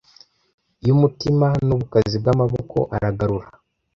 Yumutima nubukazi bwamaboko aragarura